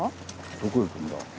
どこ行くんだ？